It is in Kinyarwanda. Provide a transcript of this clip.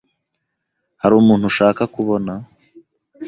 Hari umuntu ushaka kubona?